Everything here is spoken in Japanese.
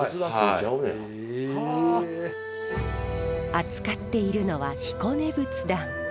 扱っているのは彦根仏壇。